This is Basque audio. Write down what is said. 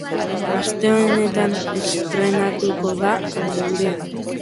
Aste honetan estreinatuko da geurean.